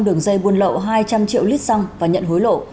đường dây buôn lậu hai trăm linh triệu lít xăng và nhận hối lộ